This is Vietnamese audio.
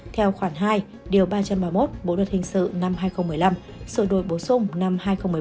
theo khoản hai điều ba trăm ba mươi một bộ luật hình sự năm hai nghìn một mươi năm sự đổi bổ sung năm hai nghìn một mươi bảy